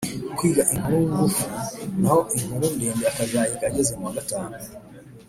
kwiga inkuru ngufi, naho inkuru ndende akazayiga ageze mu wa gatanu